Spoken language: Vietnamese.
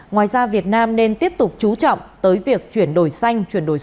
ngoài ra việt nam nên tiếp tục chú trọng tới việc chuyển đổi sản